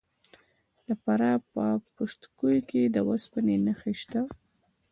د فراه په پشت کوه کې د وسپنې نښې شته.